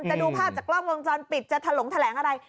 จะดูภาพจากกล้องวงจรปิดจะถลงแถลงอะไร